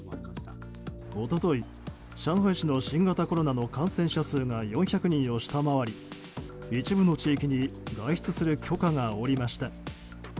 一昨日、上海市の新型コロナの感染者数が４００人を下回り、一部の地域に外出する許可が下りました。